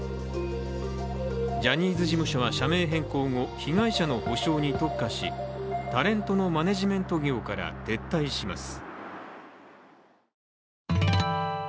ジャニーズ事務所は社名変更後被害者の補償に特化しタレントのマネジメント業から撤退します。